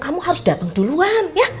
kamu harus datang duluan ya